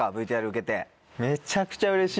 ＶＴＲ受けて。